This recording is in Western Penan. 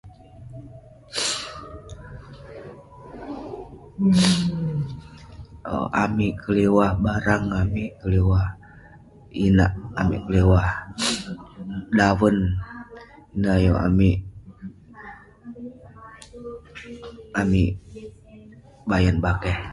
Owk..amik keliwah barang, amik keliwah inak..amik keliwah daven..ineh ayuk amik, amik bayan bakeh..